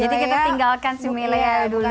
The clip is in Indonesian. jadi kita tinggalkan si milea dulu